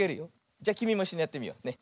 じゃきみもいっしょにやってみようね。